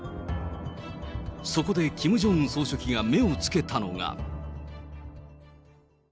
そこでキム・ジョンウン総書記が目をつけたのが。